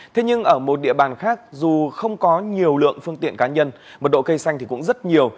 thế nhưng ở một địa bàn khác dù không có nhiều lượng phương tiện cá nhân mật độ cây xanh cũng rất nhiều